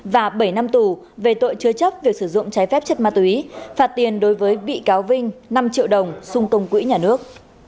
và bảy năm tù về tội chứa chấp việc sử dụng trái phép chất ma túy phạt tiền đối với bị cáo vinh năm triệu đồng xung công quỹ nhà nước